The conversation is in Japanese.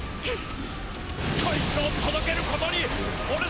こいつをとどけることにおれ